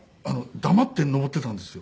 黙って登ってたんですよ